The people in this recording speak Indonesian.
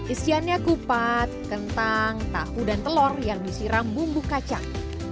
isiannya kupat kentang tahu dan telur yang disiram bumbu kacang